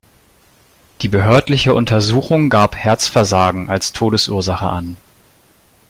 Die behördliche Untersuchung gab Herzversagen als Todesursache an.